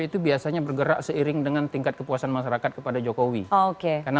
itu biasanya bergerak seiring dengan tingkat kepuasan masyarakat kepada jokowi karena